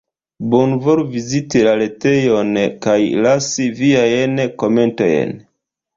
Bonvolu viziti la retejon kaj lasi viajn komentojn!